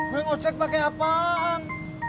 neng ojek pake apaan